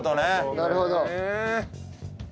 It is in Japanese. なるほど。